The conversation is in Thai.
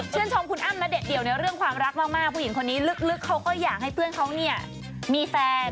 ชมคุณอ้ำณเดชนเดี่ยวในเรื่องความรักมากผู้หญิงคนนี้ลึกเขาก็อยากให้เพื่อนเขาเนี่ยมีแฟน